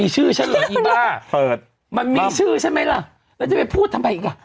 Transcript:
มีชื่อที่มันมีชื่อใช่ไหมแล้วแล้วจะไปพูดทำไมอีกอ่ะ